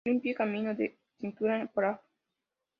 Olimpo y Camino de Cintura por Av.